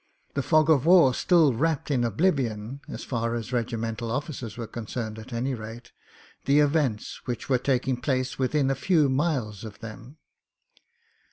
The fog of war still wrapped in oblivion — as far as regimental officers were concerned, at any rate — ^the events which were taking place within a few miles of them.